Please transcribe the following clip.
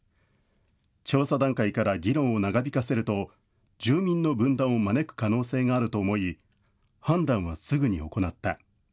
調査段階から議論を長引かせると住民の分断を招く可能性があると思い、判断はすぐに行った。